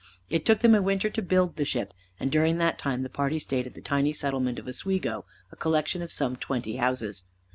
It took them a winter to build the ship, and during that time the party stayed at the tiny settlement of Oswego, a collection of some twenty houses.